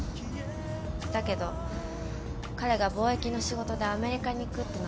だけど彼が貿易の仕事でアメリカに行くってなったの。